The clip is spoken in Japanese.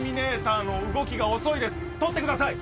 取ってください！